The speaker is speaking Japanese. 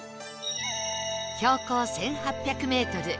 標高１８００メートル